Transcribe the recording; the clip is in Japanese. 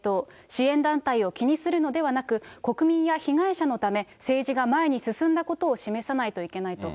支援団体を気にするのではなく、国民や被害者のため、政治が前に進んだことを示さないといけないと。